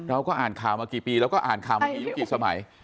เราก็อ่านข่าวมากี่ปีแล้วก็อ่านข่าวมากี่ยุคกี่สมัย